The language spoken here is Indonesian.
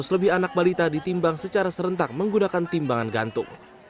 seratus lebih anak balita ditimbang secara serentak menggunakan timbangan gantung